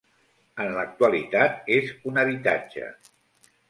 En l'actualitat és un habitatge.